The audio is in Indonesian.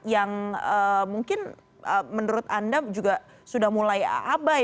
yang mungkin menurut anda juga sudah mulai abai